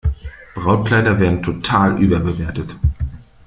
Brautkleider werden total überbewertet.